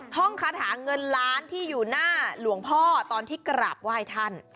ห้องคาถาเงินล้านที่อยู่หน้าหลวงพ่อตอนที่กราบไหว้ท่าน